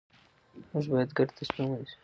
موږ باید ګډ تصمیم ونیسو